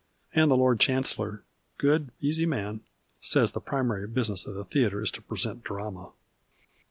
And the Lord Chancellor, good, easy man, says the primary business of the theatre is to present drama